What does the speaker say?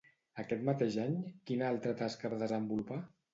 Aquest mateix any, quina altra tasca va desenvolupar?